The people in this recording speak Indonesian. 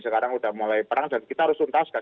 sekarang sudah mulai perang dan kita harus tuntaskan